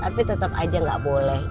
tapi tetap aja nggak boleh